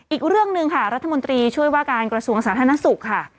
อีกเรื่องหนึ่งค่ะรัฐมนตรีช่วยว่าการกระทรวงสาธารณสุขค่ะ